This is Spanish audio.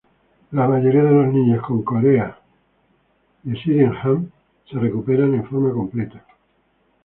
La mayoría de los niños con corea de Sydenham se recuperan en forma completa.